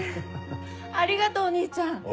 ありがとうお兄ちゃん。